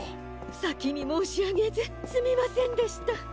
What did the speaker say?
さきにもうしあげずすみませんでした。